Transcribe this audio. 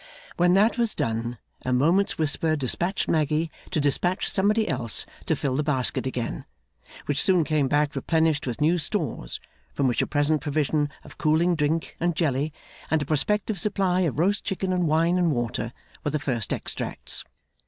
When that was done, a moment's whisper despatched Maggy to despatch somebody else to fill the basket again; which soon came back replenished with new stores, from which a present provision of cooling drink and jelly, and a prospective supply of roast chicken and wine and water, were the first extracts.